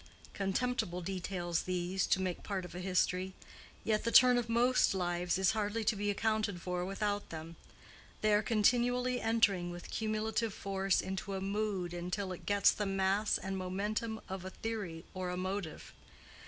Contemptible details these, to make part of a history; yet the turn of most lives is hardly to be accounted for without them. They are continually entering with cumulative force into a mood until it gets the mass and momentum of a theory or a motive.